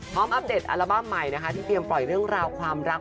อัปเดตอัลบั้มใหม่นะคะที่เตรียมปล่อยเรื่องราวความรัก